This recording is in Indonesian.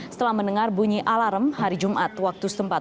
setelah mendengar bunyi alarm hari jumat waktu setempat